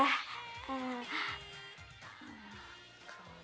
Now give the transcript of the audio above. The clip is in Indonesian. kalau udah setia gue gak bakalan kedukun